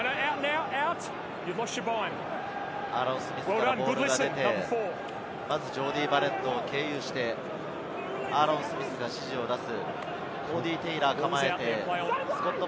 アーロン・スミスからボールが出て、ジョーディー・バレットを経由して、アーロン・スミスが指示を出す。